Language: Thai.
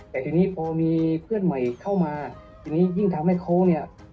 แต่ทีนี้พอมีเพื่อนใหม่เข้ามาทีนี้ยิ่งทำให้โค้งเนี่ย